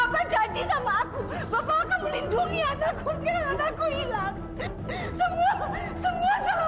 bapak janji sama aku bapak akan melindungi anakku sekarang anakku hilang